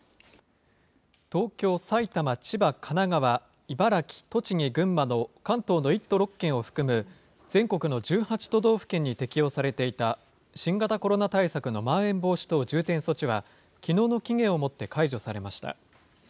東京、埼玉、千葉、神奈川、茨城、栃木、群馬の関東の１都６県を含む全国の１８都道府県に適用されていた、新型コロナ対策のまん延防止等重点措置は、きのうの期限をもって解除されました。